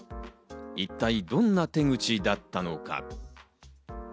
一体どんな手口だったのか。